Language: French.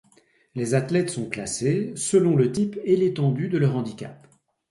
Les athlètes sont classés selon le type et l'étendue de leur handicap.